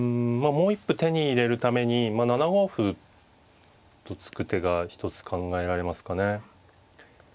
もう一歩手に入れるために７五歩と突く手が一つ考えられますかね。